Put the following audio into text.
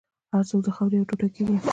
هر څوک د خاورې یو ټوټه کېږي.